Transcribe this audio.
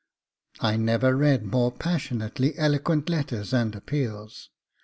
I never read more passionately eloquent letters and appeals.